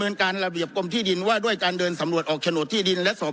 การระเบียบกรมที่ดินว่าด้วยการเดินสำรวจออกโฉนดที่ดินและสอบ